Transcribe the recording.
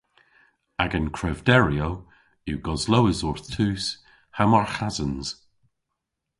Agan krevderyow yw goslowes orth tus ha marghasans.